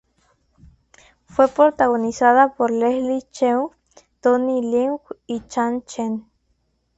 Fue protagonizada por Leslie Cheung, Tony Leung y Chang Chen.